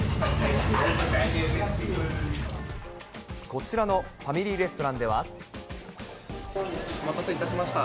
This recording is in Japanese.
こちらのファミリーレストラお待たせいたしました。